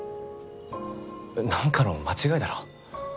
なんかの間違いだろ。